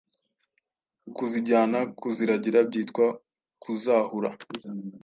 Kuzijyana kuziragira byitwa Kuzahura